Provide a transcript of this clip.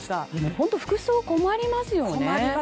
本当に服装、困りますよね。